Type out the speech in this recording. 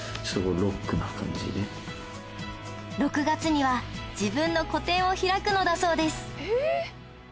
６月には自分の個展を開くのだそうです